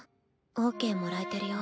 オーケーもらえてるよ。